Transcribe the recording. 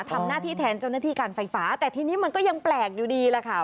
ทำหน้าที่แทนเจ้าหน้าที่การไฟฟ้าแต่ทีนี้มันก็ยังแปลกอยู่ดีแหละค่ะ